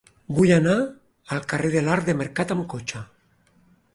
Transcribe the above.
Vull anar al carrer de l'Arc del Mercat amb cotxe.